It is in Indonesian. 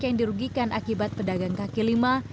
yang dirugikan akibat pedagang kaki lima